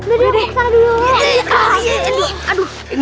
udah deh aku kesana dulu